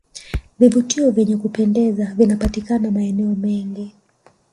vivutio vyenye kupendeza vinapatikana maeneo mengi